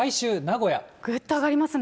ぐっと上がりますね。